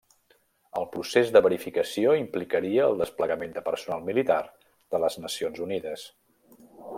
El procés de verificació implicaria el desplegament de personal militar de les Nacions Unides.